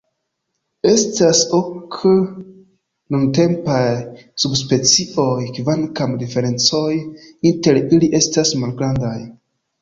Estas ok nuntempaj subspecioj, kvankam diferencoj inter ili estas malgrandaj.